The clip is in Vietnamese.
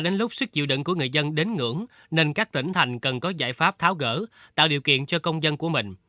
nếu người dân đến ngưỡng nên các tỉnh thành cần có giải pháp tháo gỡ tạo điều kiện cho công dân của mình